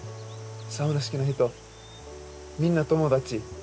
サウナ好きな人みんな友達。